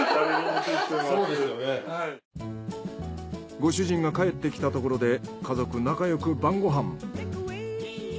ご主人が帰ってきたところで家族仲よく晩ご飯。